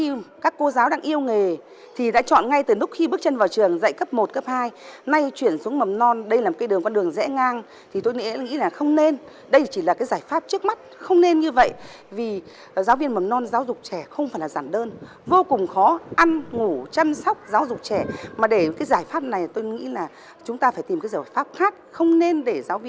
mà để cái giải pháp này tôi nghĩ là chúng ta phải tìm cái giải pháp khác không nên để giáo viên cấp một hai chuyển vào mầm non như thế này